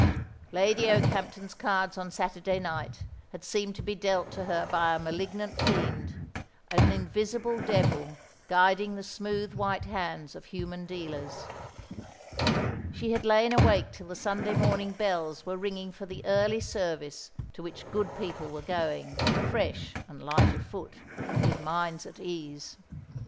Lady Okehampton's cards on Saturday night had seemed to be dealt to her by a malignant fiend, an invisible devil guiding the smooth white hands of human dealers. She had lain awake till the Sunday morning bells were ringing for the early service to which good people were going, fresh and light of foot, with minds at ease.